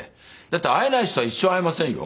だって会えない人は一生会えませんよ。